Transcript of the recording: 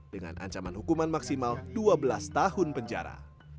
dengan ancaman hukuman maksimal dua belas tahun penjara